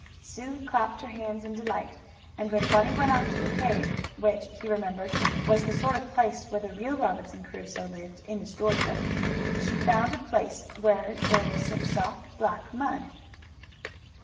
Sue clapped her hands in delight, and, when Bunny went off to the cave, which, he remembered, was the sort of place where the real Robinson Crusoe lived, in the story book, Sue found a place where there was some soft, black mud.